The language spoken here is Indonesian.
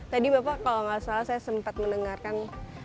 tadi bapak kalau nggak salah saya sempat mendengarkan